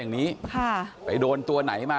น้องดูดมาเยอะไหมอะ